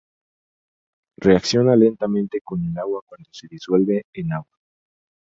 Reacciona lentamente con el agua cuando se disuelve en agua.